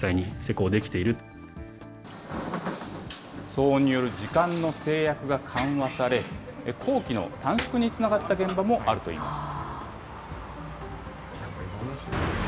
騒音による時間の制約が緩和され、工期の短縮につながった現場もあるといいます。